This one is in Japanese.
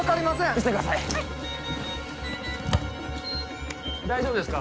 見せてください大丈夫ですか？